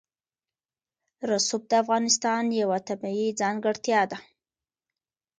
رسوب د افغانستان یوه طبیعي ځانګړتیا ده.